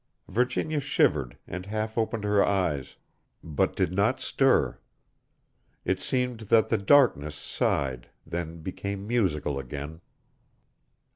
Virginia shivered, and half opened her eyes, but did not stir. It seemed that the darkness sighed, then became musical again.